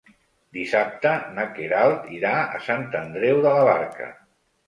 Dissabte na Queralt irà a Sant Andreu de la Barca.